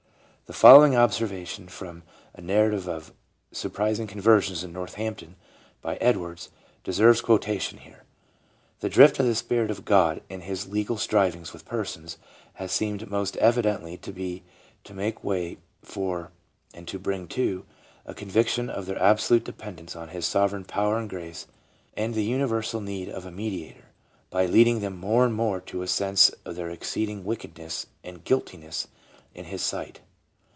The following observation from '' A Narrative of Surpris ing Conversions in Northampton," by Edwards, deserves quotation here : "The drift of the Spirit of God in His legal strivings with persons, has seemed most evidently to be to make way for, and to bring to, a conviction of their absolute dependence on His Sovereign power and grace and the uni versal need of a Mediator, by leading them more and more to a sense of their exceeding wickedness and guiltiness in His sight